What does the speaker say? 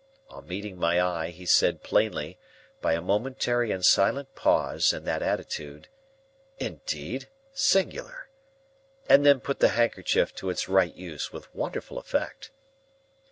On meeting my eye, he said plainly, by a momentary and silent pause in that attitude, "Indeed? Singular!" and then put the handkerchief to its right use with wonderful effect.